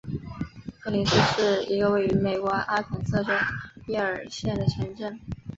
科林斯是一个位于美国阿肯色州耶尔县的城镇。